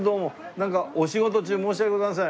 なんかお仕事中申し訳ございません。